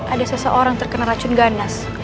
ada seseorang terkena racun ganas